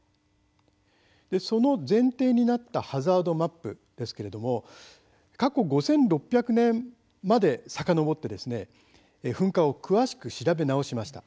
その前提になったハザードマップですけれども過去５６００年までさかのぼって噴火を詳しく調べ直しました。